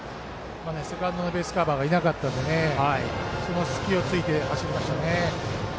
セカンドのベースカバーがいなかったのでその隙を突きましたね。